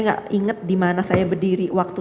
gak inget di mana saya berdiri waktu